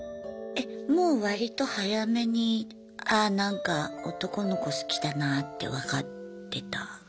もう割と早めにああなんか男の子好きだなって分かってた？